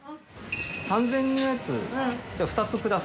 ３０００円のやつ２つください。